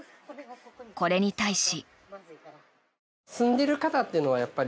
これに対し。